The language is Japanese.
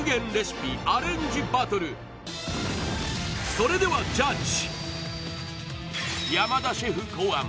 それではジャッジ。